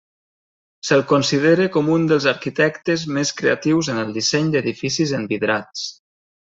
Se'l considera com un dels arquitectes més creatius en el disseny d'edificis envidrats.